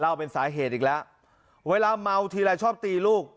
เป็นสาเหตุอีกแล้วเวลาเมาทีไรชอบตีลูก